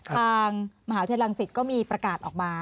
ทางมหาวิทยาลัยลังศิษย์ก็มีประกาศออกมา